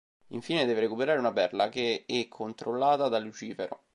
Infine deve recuperare una perla, che e controllata da Lucifero.